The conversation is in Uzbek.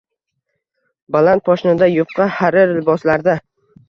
Baland poshnada, yupqa, harir liboslarda.